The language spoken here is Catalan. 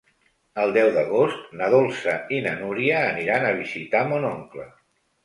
El deu d'agost na Dolça i na Núria aniran a visitar mon oncle.